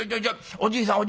おじいさん